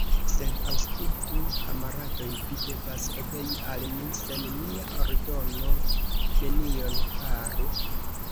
Sed aŭskultu, kamaradoj, vi devas obei al mi, sen mia ordono nenion faru?